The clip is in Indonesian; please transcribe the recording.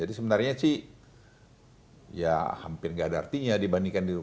jadi sebenarnya sih ya hampir tidak ada artinya dibandingkan itu